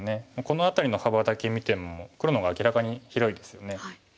この辺りの幅だけ見ても黒の方が明らかに広いですよね。